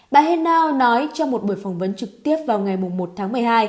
bà heno nói trong một buổi phỏng vấn trực tiếp vào ngày một tháng một mươi hai